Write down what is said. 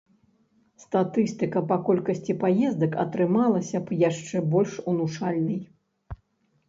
Статыстыка па колькасці паездак атрымалася б яшчэ больш унушальнай.